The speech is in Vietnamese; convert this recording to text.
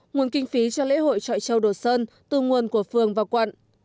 nguồn kinh phí cho lễ hội trọi châu không lấy từ ngân sách nhà nước